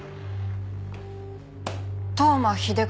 当麻秀和。